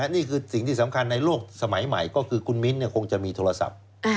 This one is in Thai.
นี่คือสิ่งที่สำคัญในโลกสมัยใหม่ก็คือคุณมิ้นคงจะมีโทรศัพท์